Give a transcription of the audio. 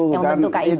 yang membentuk kib